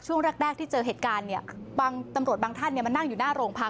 ช่วงแรกที่เจอเหตุการณ์เนี่ยบางตำรวจบางท่านมานั่งอยู่หน้าโรงพัก